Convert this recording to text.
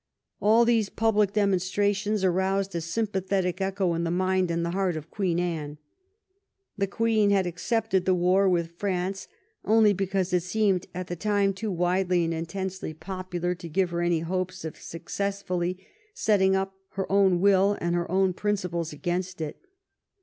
All these public demonstrations aroused a sympathetic echo in the mind and the heart of Queen Anne. The Queen had accepted the war with France only because it seemed at the time too widely and intensely popular to give her any hope of successfully setting up her own will and her own principles against it.